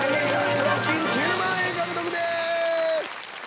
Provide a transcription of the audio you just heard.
賞金１０万円獲得です！